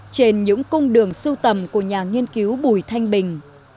trên những cung đường sưu tầm của nhà nghiên cứu bùi thanh bình